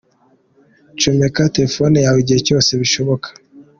Comeka telefone yawe igihe cyose bishoboka.